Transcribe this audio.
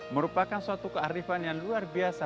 merupakan suatu kearifan yang luar biasa